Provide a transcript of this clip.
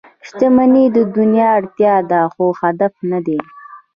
• شتمني د دنیا اړتیا ده، خو هدف نه دی.